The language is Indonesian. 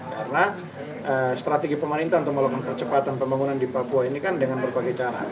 karena strategi pemerintah untuk melakukan percepatan pembangunan di papua ini kan dengan berbagai cara